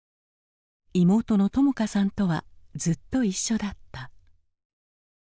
妹の知華さんとはずっと一緒だった。